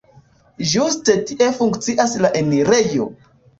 Ĝuste tie funkcias la enirejo.